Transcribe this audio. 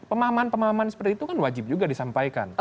pemahaman pemahaman seperti itu kan wajib juga disampaikan